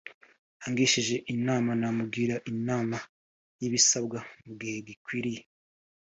Angishije inama namugira inama y'ibisabwa mu gihe gikwiriye